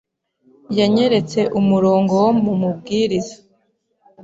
Yanyeretse umurongo wo mu Mubwiriza